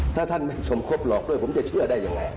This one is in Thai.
ถ้าท่านไม่สมคบหรอกด้วยผมจะเชื่อได้ยังไง